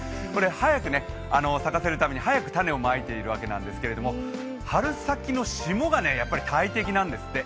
早く咲かせるために早く種をまいているわけなんですけれども春先の霜が大敵なんですって。